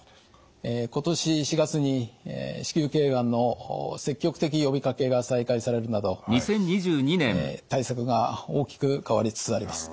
今年４月に子宮頸がんの積極的呼びかけが再開されるなど対策が大きく変わりつつあります。